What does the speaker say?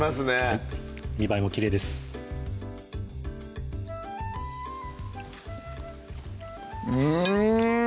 はい見栄えもきれいですうん！